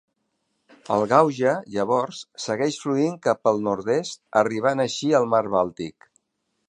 El Gauja, llavors, segueix fluint cap al nord-est arribant així al Mar Bàltic.